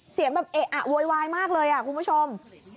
เสียงแบบเอะอะโวยวายมากเลยคุณผู้ชม